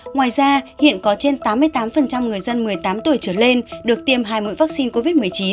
ngoài ra hiện có trên tám mươi tám người dân một mươi tám tuổi trở lên được tiêm hai mũi vaccine covid một mươi chín